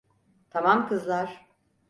Tamam kızlar.